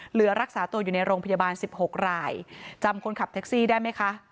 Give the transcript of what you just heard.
เหลือรักษาตัวอยู่ในโรงพยาบาลสิบหกรายจำคนขับแท็กซี่ได้ไหมคะ